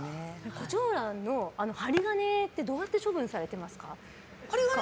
コチョウランの針金ってどうやって処分されてますか。